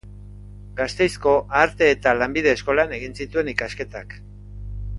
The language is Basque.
Gasteizko Arte eta Lanbide Eskolan egin zituen ikasketak.